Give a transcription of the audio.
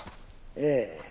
ええ。